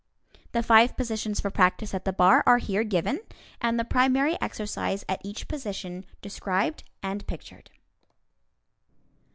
The five positions for practice at the bar are here given, and the primary exercise at each position described and pictured.